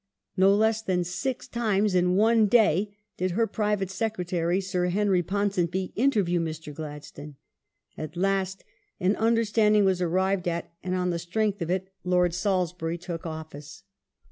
No less than six times in one day did her Private Secretary, Sir Henry Ponsonby, interview Mr. Gladstone.^ At last an understanding was arrived at, and on the strength of it Lord Salisbury took office.